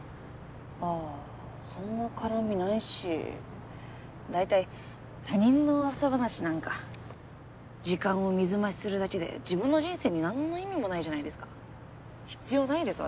ああそんな絡みないし大体他人の噂話なんか時間を水増しするだけで自分の人生に何の意味もないじゃないですか必要ないです